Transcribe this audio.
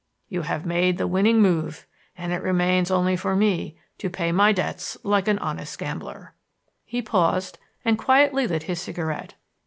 You have made the winning move and it remains only for me to pay my debts like an honest gambler." He paused and quietly lit his cigarette.